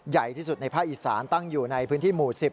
ใหญ่ที่สุดในภาคอีสานตั้งอยู่ในพื้นที่หมู่๑๐